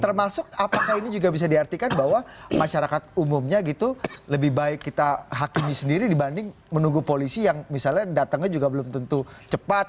termasuk apakah ini juga bisa diartikan bahwa masyarakat umumnya gitu lebih baik kita hakimi sendiri dibanding menunggu polisi yang misalnya datangnya juga belum tentu cepat